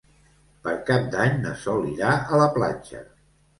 Per Cap d'Any na Sol irà a la platja.